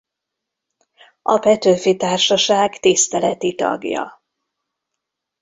A Petőfi-társaság tiszteleti tagja.